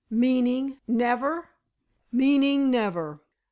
"Meaning—never?" "Meaning never."